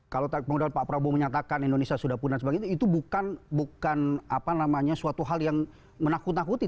kalau kemudian pak prabowo menyatakan indonesia sudah pun dan sebagainya itu bukan suatu hal yang menakut nakuti